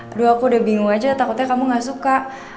aduh aku udah bingung aja takutnya kamu gak suka